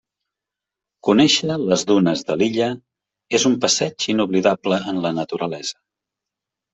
Conèixer les dunes de l'Illa és un passeig inoblidable en la naturalesa.